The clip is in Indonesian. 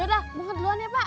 yaudah bunga duluan ya pak